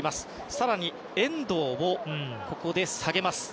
更に遠藤をここで下げます。